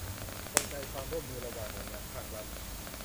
กลไกความร่วมมือระหว่างหน่วยงานภาครัฐ